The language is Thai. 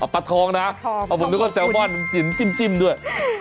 อ๋อปลาทองนะผมนึกว่าแซลบอนจิ้มด้วย